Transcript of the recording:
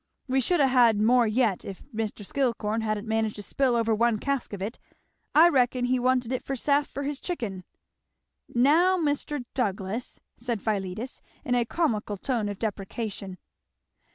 We should ha' had more yet if Mr. Skillcorn hadn't managed to spill over one cask of it I reckon he wanted it for sass for his chicken." "Now, Mr. Douglass!" said Philetus, in a comical tone of deprecation.